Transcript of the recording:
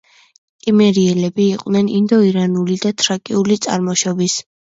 კიმერიელები იყვნენ ინდო-ირანული და თრაკიული წარმოშობის.